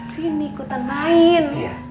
sini ikutan main